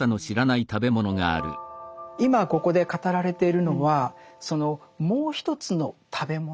今ここで語られているのはそのもう一つの食べ物